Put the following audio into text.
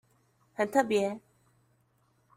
很特別